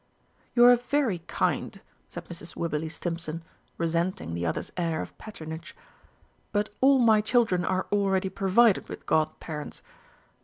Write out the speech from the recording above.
"You are very kind," said Mrs. Wibberley Stimpson, resenting the other's air of patronage, "but all my children are already provided with God parents.